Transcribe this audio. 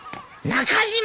中島！